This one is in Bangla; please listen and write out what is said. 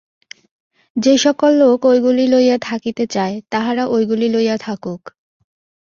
যে-সকল লোক ঐগুলি লইয়া থাকিতে চায়, তাহারা ঐগুলি লইয়া থাকুক।